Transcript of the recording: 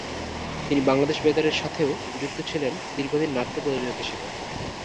তিনি বাংলাদেশ বেতার-এর সাথেও যুক্ত ছিলেন দীর্ঘদিন নাট্য প্রযোজক হিসেবে।